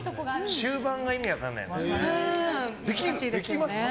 終盤が意味分かんないんだよ。